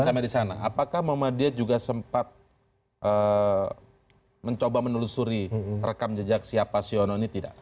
sebelum saya disana apakah muhammadiyah juga sempat mencoba menelusuri rekam jejak siapa siono ini tidak